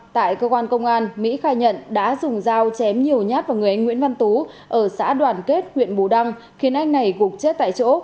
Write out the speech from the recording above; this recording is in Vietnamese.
tại cơ quan công an mỹ khai nhận đã dùng dao chém nhiều nhát vào người anh nguyễn văn tú ở xã đoàn kết huyện bù đăng khiến anh này gục chết tại chỗ